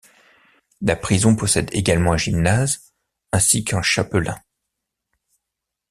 La prison possède également un gymnase ainsi qu'un chapelain.